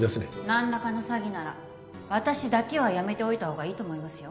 何らかの詐欺なら私だけはやめておいた方がいいと思いますよ。